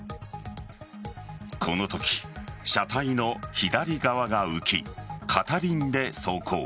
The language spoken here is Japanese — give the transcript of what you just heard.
このとき、車体の左側が浮き片輪で走行。